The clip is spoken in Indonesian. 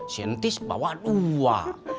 si ntis bawa dua